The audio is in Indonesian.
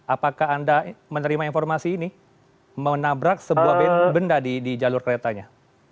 apakah anda menerima informasi ini menabrak sebuah benda di jalur keretanya